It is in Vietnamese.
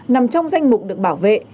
nằm trong danh mục được bảo vệ